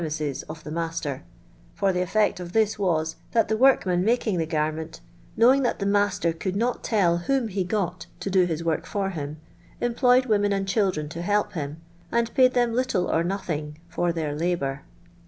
^es of the master ; for the effect of this was, that the workman making the gar ment, knowing that the master could not tell whom he got to do his work for hifn, employed women and children to help him, and paid them little or nothing for their labour.